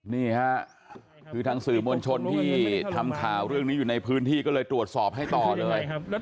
นี่ค่ะคือทางสื่อมวลชนที่ทำข่าวเรื่องนี้อยู่ในพื้นที่ก็เลยตรวจสอบให้ต่อเลย